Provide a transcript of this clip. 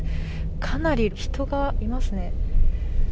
かなり人がいますね。